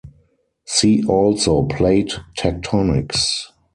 See also Plate tectonics.